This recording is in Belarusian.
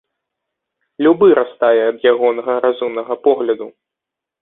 Любы растае ад ягонага разумнага погляду!